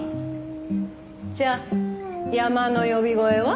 じゃあ『山の呼び声』は？